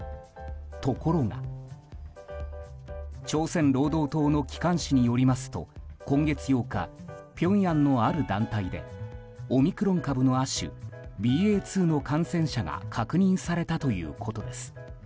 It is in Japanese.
ところが朝鮮労働党の機関紙によりますと今月８日ピョンヤンのある団体でオミクロン株の亜種ＢＡ．２の感染者が確認されたということです。